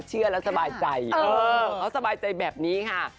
เชื่อแล้วสบายใจเออเขาสบายใจแบบนี้ค่ะ